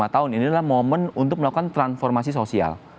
lima tahun ini adalah momen untuk melakukan transformasi sosial